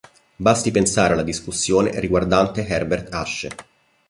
Basti pensare alla discussione riguardante Herbert Ashe.